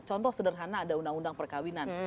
contoh sederhana ada undang undang perkawinan